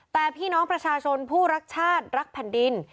แต่พี่น้องประชาชนผู้รักชาติรักแผ่นดิน